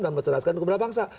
dan mencerdaskan kebenaran bangsa